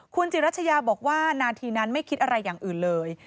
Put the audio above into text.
คุณจิรัชยาบอกว่านาทีนั้นไม่คิดอะไรอย่างอื่นเลย